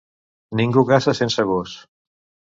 Ningú caça sense gos.